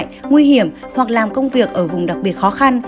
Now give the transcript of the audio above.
trong trường hợp sức khỏe suy giảm hoặc làm công việc ở vùng đặc biệt khó khăn